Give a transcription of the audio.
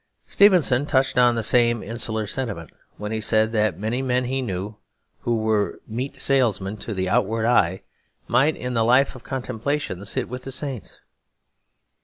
Stevenson touched on the same insular sentiment when he said that many men he knew, who were meat salesmen to the outward eye, might in the life of contemplation sit with the saints.